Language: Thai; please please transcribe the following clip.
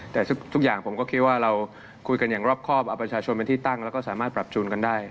แต่ทุกอย่างผมก็คิดว่าเราคุยกันอย่างรอบครอบเอาประชาชนเป็นที่ตั้งแล้วก็สามารถปรับจูนกันได้